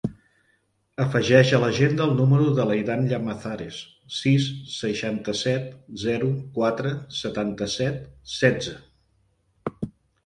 Afegeix a l'agenda el número de l'Eidan Llamazares: sis, seixanta-set, zero, quatre, setanta-set, setze.